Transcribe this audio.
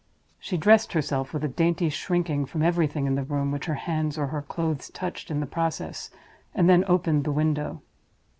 She dressed herself, with a dainty shrinking from everything in the room which her hands or her clothes touched in the process, and then opened the window.